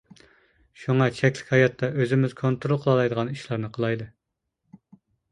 شۇڭا چەكلىك ھاياتتا ئۆزىمىز كونترول قىلالايدىغان ئىشلارنى قىلايلى.